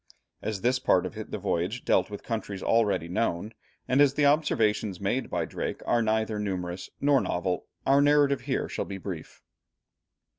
As this part of the voyage deals with countries already known, and as the observations made by Drake are neither numerous nor novel, our narrative here shall be brief.